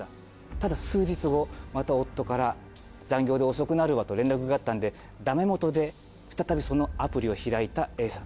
ただ数日後また夫から残業で遅くなるわと連絡があったんでダメもとで再びそのアプリを開いたＡさん。